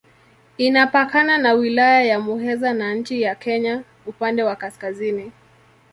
Inapakana na Wilaya ya Muheza na nchi ya Kenya upande wa kaskazini.